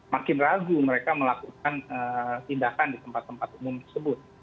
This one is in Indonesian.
makin ragu mereka melakukan tindakan di tempat tempat umum tersebut